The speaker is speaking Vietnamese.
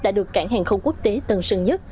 đã được cảng hàng không quốc tế tân sơn nhất